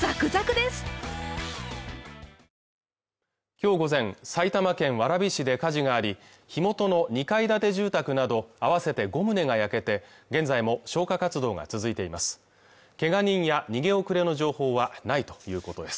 きょう午前埼玉県蕨市で火事があり火元の２階建て住宅など合わせて五棟が焼けて現在も消火活動が続いています